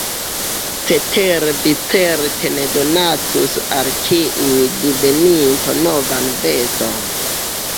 Cetere vi certe ne donacus al ĉiu diveninto novan veston.